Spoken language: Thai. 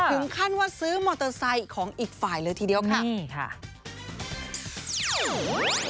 หุ่นขั้นว่าซื้อมอเตอร์ไซค์ของอีกฝ่ายเลยทีเดียวค่ะ